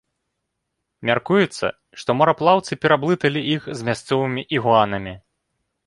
Мяркуецца, што мараплаўцы пераблыталі іх з мясцовымі ігуанамі.